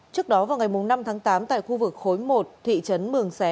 trước đó vào ngày năm tháng tám tại khu vực khối một thị trấn mường xé